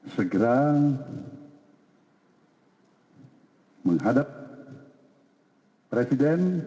segera menghadap presiden